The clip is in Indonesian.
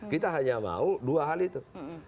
kita hanya mau dua hal itu